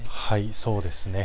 そうですね。